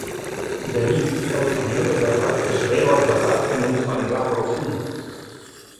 De nit, el camió de guerra es veu atrapat en un fangar profund.